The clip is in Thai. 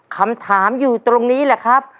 คำถามอยู่ตรงนี้แหละครับ